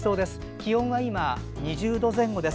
気温は今２０度前後です。